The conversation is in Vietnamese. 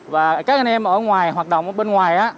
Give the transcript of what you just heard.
và các anh em ở ngoài hoạt động bên ngoài